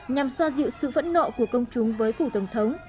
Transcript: nhằm xoa dịu sự phẫn nộ của công chúng với phủ tổng thống